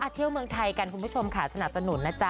เที่ยวเมืองไทยกันคุณผู้ชมสนับสนุน